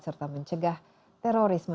serta mencegah terorisme